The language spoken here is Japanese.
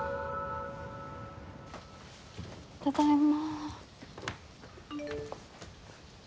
ただいま。